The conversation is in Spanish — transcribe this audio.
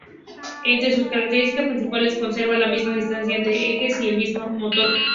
Entre sus características principales, conservaba la misma distancia entre ejes y el mismo motor.